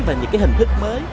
và những hình thức mới